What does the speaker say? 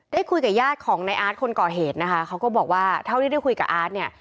ได้คุยกับญาติของในอาร์ตคนก่อเหตุนะคะเขาก็บอกว่าเท่าที่ได้คุยกับอาร์ตเนี่ย